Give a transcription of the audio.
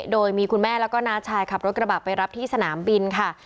โดยมีคุณแม่แล้วก็น้าชายขับรถกระบะไปรับที่สนามบินค่ะ